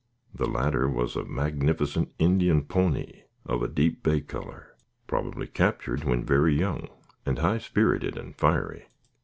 The latter was a magnificent Indian pony, of a deep bay color, probably captured when very young, and high spirited and fiery.